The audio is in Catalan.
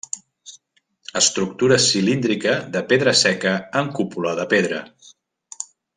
Estructura cilíndrica, de pedra seca, amb cúpula de pedra.